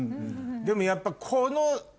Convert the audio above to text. でもやっぱ。